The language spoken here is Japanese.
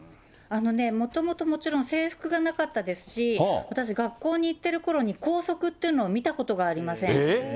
あのね、もともともちろん、制服がなかったですし、私、学校に行ってるころに、校則っていうのを見たことがありません。